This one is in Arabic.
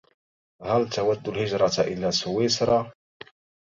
هل تود الهجرة الى سويسرا؟